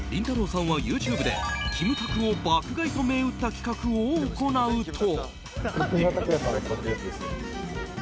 さんはＹｏｕＴｕｂｅでキムタクを爆買いと銘打った企画を行うと。